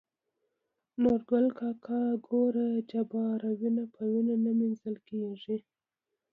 نورګل کاکا :ګوره جباره وينه په وينو نه مينځل کيږي.